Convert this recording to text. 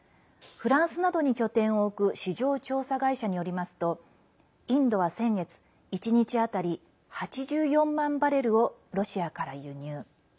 フランスなどに拠点を置く市場調査会社によりますとインドは先月１日当たり８４万バレルをロシアから輸入。